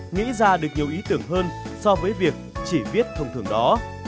nghĩ ra được nhiều ý tưởng hơn so với việc chỉ viết thông thường đó